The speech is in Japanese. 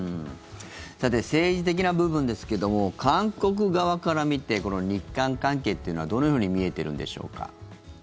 さて政治的な部分ですけども韓国側から見てこの日韓関係っていうのはどのように見えてるんでしょうか？